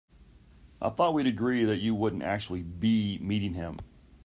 I thought we'd agreed that you wouldn't actually be meeting him?